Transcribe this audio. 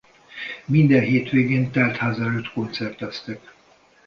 Minden hétvégén telt ház előtt koncerteztek.